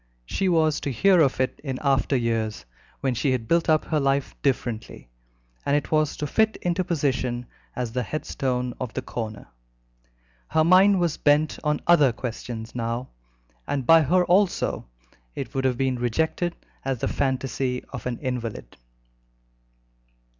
She was to hear of it in after years, when she had built up her life differently, and it was to fit into position as the headstone of the corner. Her mind was bent on other questions now, and by her also it would have been rejected as the fantasy of an invalid.